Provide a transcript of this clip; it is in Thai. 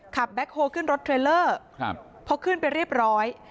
แบ็คโฮลขึ้นรถเทรลเลอร์พอขึ้นไปเรียบร้อย